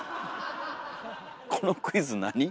このクイズ何？